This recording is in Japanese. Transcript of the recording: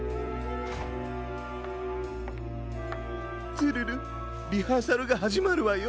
ツルルリハーサルがはじまるわよ。